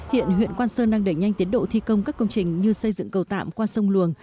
hiện huyện quan sơn đang đẩy nhanh tiến độ thi công các công trình như xây dựng cầu tạm qua sông luồng